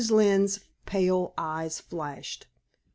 Lynne's pale eyes flashed.